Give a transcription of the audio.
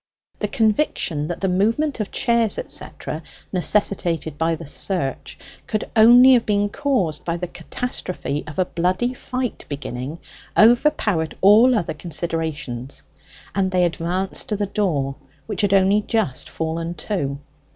The conviction that the movement of chairs, etc., necessitated by the search, could only have been caused by the catastrophe of a bloody fight beginning, overpowered all other considerations; and they advanced to the door, which had only just fallen to.